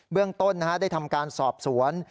เรื่องต้นได้ทำการสอบสวน